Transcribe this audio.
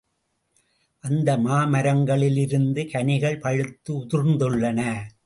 அந்த மாமரங்களிலிருந்து கனிகள் பழுத்து உதிர்ந்துள்ளன.